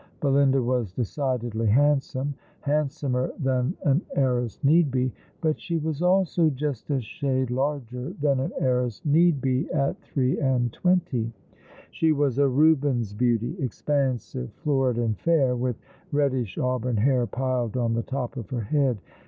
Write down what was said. Belinda was decidedly handsome — hand somer than an heiress need be ; but she was also just a shade larger than an heiress need be at three and twenty. Slio was a Eubens' beauty, expansive, florid, and fair, with reddish auburn hair piled on the top of her head.